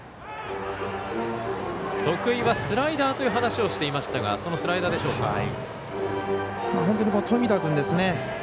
得意はスライダーという話をしていましたがそのスライダーでしょうか。